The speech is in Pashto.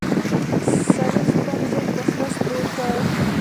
سړي خپل زوی په خره سپور کړ.